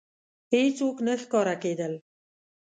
هېڅوک نه ښکاره کېدل.